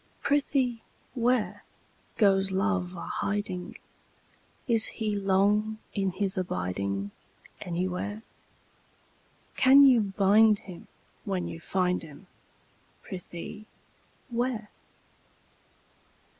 Prithee where, Goes Love a hiding? Is he long in his abiding Anywhere? Can you bind him when you find him; Prithee, where?